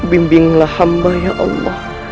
bimbinglah hamba ya allah